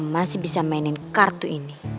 masih bisa mainin kartu ini